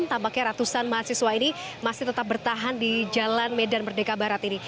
tampaknya ratusan mahasiswa ini masih tetap bertahan di jalan medan merdeka barat ini